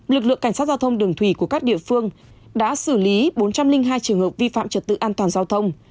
lực lượng cảnh sát giao thông đường thủy của các địa phương đã xử lý bốn trăm linh hai trường hợp vi phạm trật tự an toàn giao thông